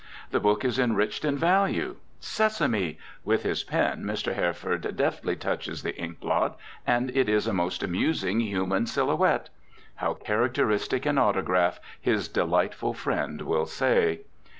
The book is enriched in value. Sesame! With his pen Mr. Herford deftly touches the ink blot, and it is a most amusing human silhouette. How characteristic an autograph, his delighted friend will say.